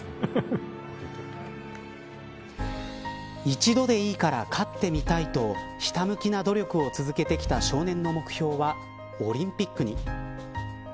一度でいいから勝ってみたいとひたむきな努力を続けてきた少年の目標はオリンピックに。